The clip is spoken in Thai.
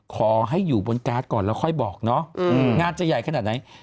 ขอให้อยู่บนการ์ดก่อนแล้วค่อยบอกเนาะงานจะใหญ่ขนาดไหน